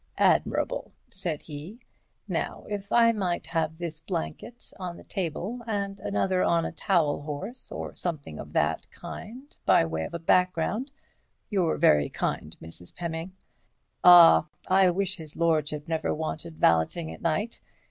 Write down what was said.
"Admirable," said he. "Now, if I might have this blanket on the table and another on a towel horse or something of that kind by way of a background—you're very kind, Mrs. Pemming.... Ah! I wish his lordship never wanted valeting at night.